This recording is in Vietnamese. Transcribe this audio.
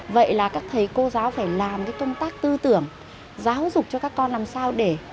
vậy là các thầy cô giáo phải làm cái công tác tư tưởng giáo dục cho các con làm sao để